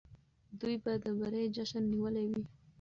دوی به د بري جشن نیولی وي.